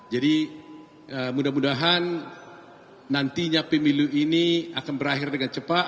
jadi mudah mudahan nantinya pemiliu ini akan berakhir dengan cepat